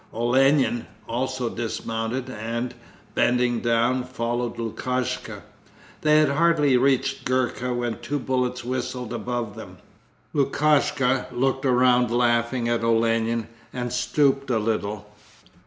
Olenin also dismounted and, bending down, followed Lukashka. They had hardly reached Gurka when two bullets whistled above them. Lukashka looked around laughing at Olenin and stooped a little.